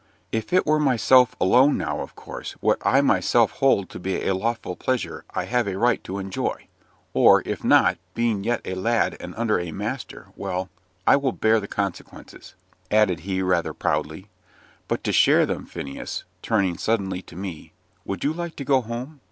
"If it were myself alone, now, of course what I myself hold to be a lawful pleasure I have a right to enjoy; or, if not, being yet a lad and under a master well, I will bear the consequences," added he, rather proudly; "but to share them Phineas," turning suddenly to me, "would you like to go home?